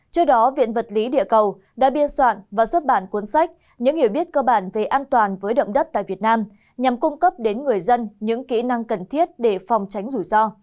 trước đó viện vật lý địa cầu đã biên soạn và xuất bản cuốn sách những hiểu biết cơ bản về an toàn với động đất tại việt nam nhằm cung cấp đến người dân những kỹ năng cần thiết để phòng tránh rủi ro